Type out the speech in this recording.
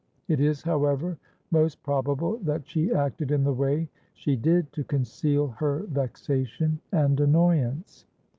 It is, however, most probable that she acted in the way she did to conceal her vexation and annoyance.